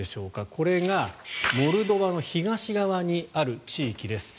これがモルドバの東側にある地域です。